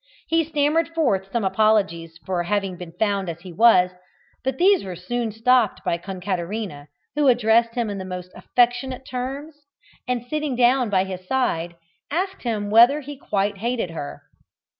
He stammered forth some apologies for having been found as he was, but these were soon stopped by Concaterina, who addressed him in the most affectionate terms, and, sitting down by his side, asked him whether he quite hated her.